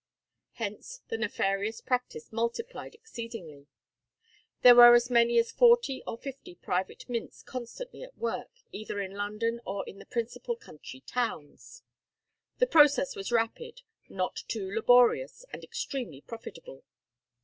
Hence the nefarious practice multiplied exceedingly. There were as many as forty or fifty private mints constantly at work, either in London or in the principal country towns. The process was rapid, not too laborious, and extremely profitable.